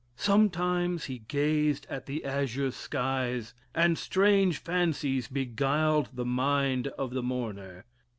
Sometimes he gazed at the azure skies, and strange fancies beguiled the mind of the mourner.